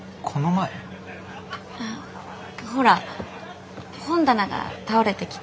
ほら本棚が倒れてきて。